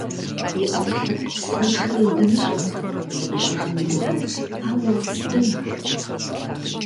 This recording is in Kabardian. И ӏэпкълъэпкъ псэншэр иудыныщӏэрт, зыкъищӏэжын и гугъэу. Ауэ дэнэт…